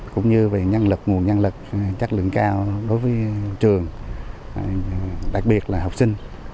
cũng như về nguồn nhân lực chất lượng cao đối với trường đặc biệt là học sinh